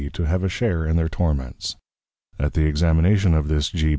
_ to have a share in their Torments. At the Examination of this _G.